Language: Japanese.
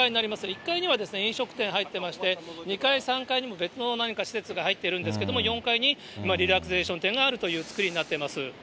１階には飲食店入ってまして、２階、３階にも別の何か施設が入ってるんですけれども、４階にリラクゼーション店があるという造りになってます。